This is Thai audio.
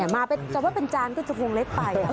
แต่ว่าเป็นจานก็จะกรุงเล็กไป